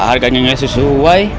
harganya gak sesuai